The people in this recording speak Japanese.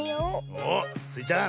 おおスイちゃん